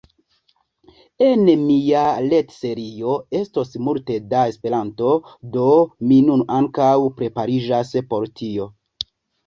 En mia retserio estos multe da Esperanto, do mi nun ankaŭ prepariĝas por tio.